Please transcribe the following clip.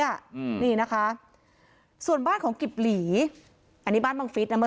อืมนี่นะคะส่วนบ้านของกิบหลีอันนี้บ้านบังฟิศนะเมื่อ